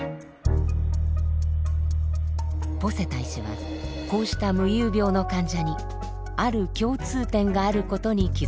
ポセタ医師はこうした夢遊病の患者にある共通点があることに気付きました。